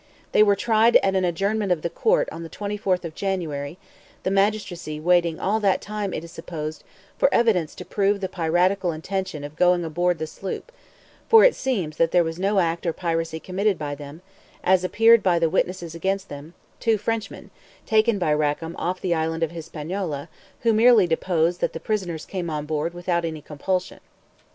They were tried at an adjournment of the court on the 24th of January, the magistracy waiting all that time, it is supposed, for evidence to prove the piratical intention of going aboard the said sloop; for it seems there was no act or piracy committed by them, as appeared by the witnesses against them, two Frenchmen, taken by Rackam off the island of Hispaniola, who merely deposed that the prisoners came on board without any compulsion.